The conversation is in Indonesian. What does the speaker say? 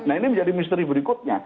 nah ini menjadi misteri berikutnya